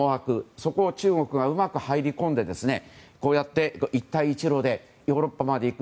そこを中国がうまく入り込んで一帯一路でヨーロッパまで行く。